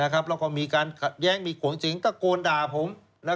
แล้วก็มีการขัดแย้งมีขวงสิงตะโกนด่าผม